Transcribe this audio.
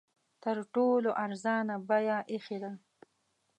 تر ټولو ارزانه بیه ایښې ده.